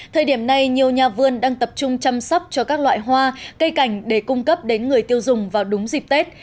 thời điểm này nhiều nhà vườn đang tập trung chăm sóc cho các loại hoa cây cảnh để cung cấp đến người tiêu dùng vào đúng dịp tết